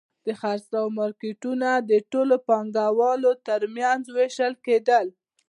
د خرڅلاو مارکېټونه د ټولو پانګوالو ترمنځ وېشل کېدل